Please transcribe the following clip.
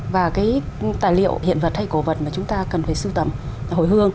và cái tài liệu hiện vật hay cổ vật mà chúng ta cần phải sưu tầm hồi hương